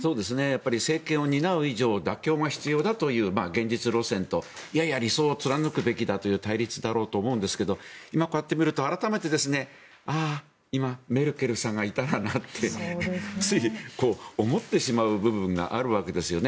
政権を担う以上妥協が必要だという現実路線といやいや理想を貫くべきだという対立だろうと思うんですが今こうやって見ると改めて、今メルケルさんがいたらなとつい思ってしまう部分があるわけですよね。